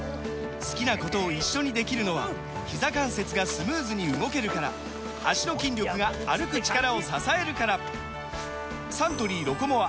好きなことを一緒にできるのはひざ関節がスムーズに動けるから脚の筋力が歩く力を支えるからサントリー「ロコモア」！